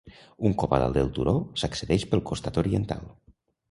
Un cop a dalt del turó, s'accedeix pel costat oriental.